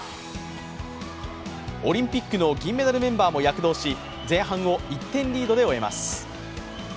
オリンピックの銀メダルメンバーも躍動し、前半を１点リードで終えます。